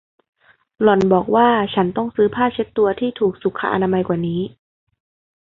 หล่อนบอกว่าฉันต้องซื้อผ้าเช็ดตัวที่ถูกสุขอนามัยกว่านี้